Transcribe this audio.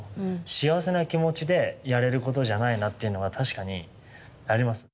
幸せな気持ちでやれることじゃないなっていうのが確かにあります。